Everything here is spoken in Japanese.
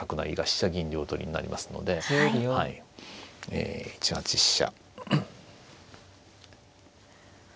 ええ１八飛車。